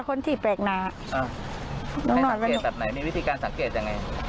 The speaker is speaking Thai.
คนที่แปลกหน้าให้สังเกตแบบไหนมีวิธีการสังเกตยังไง